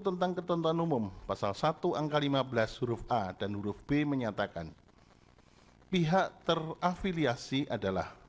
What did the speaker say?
tentang ketentuan umum pasal satu angka lima belas huruf a dan huruf b menyatakan pihak terafiliasi adalah